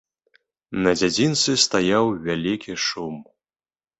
На дзядзінцы стаяў вялікі шум.